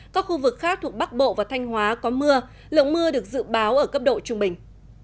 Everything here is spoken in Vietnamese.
các khu vực khác thuộc bắc bộ và thanh hóa có mưa lượng mưa được dự báo ở cấp độ trung bình